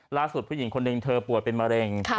ล่าสุดผู้หญิงคนนึงเธอปวดเป็นมะเร็งค่ะ